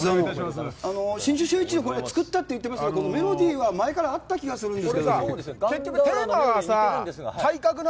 新春シューイチを作ったっておっしゃってますけども、メロディーは前からあったような気がするんですけど。